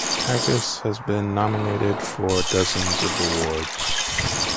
Haggis has been nominated for dozens of awards.